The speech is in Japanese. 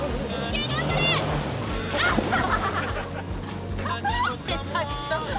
ハハハ。